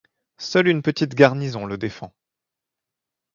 Seule une petite garnison le défend.